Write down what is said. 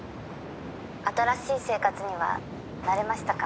「新しい生活には慣れましたか？」